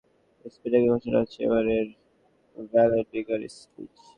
কিছু জিজ্ঞেস করার আগেই শোনে স্পিকারে ঘোষণা হচ্ছে, এবারে ভ্যালেডিক্টোরিয়ান স্পিচ।